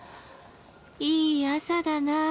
いい朝だなあ。